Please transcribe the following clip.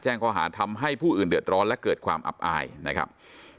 ข้อหาทำให้ผู้อื่นเดือดร้อนและเกิดความอับอายนะครับ